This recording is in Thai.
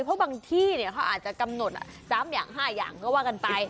เพราะบางที่เขาอาจจะกำหนด๓อย่าง๕อย่างก็ว่ากันไป